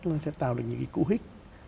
chúng ta sẽ tạo được những cái cú hích